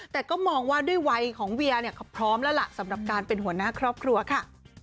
แต่ก็มองว่าด้วยวัยของเวียเนี่ยเขาพร้อมแล้วล่ะสำหรับการเป็นหัวหน้าครอบครัวค่ะ